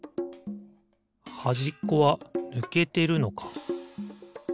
はじっこはぬけてるのか。